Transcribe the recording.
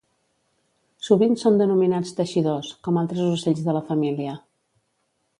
Sovint són denominats teixidors, com altres ocells de la família.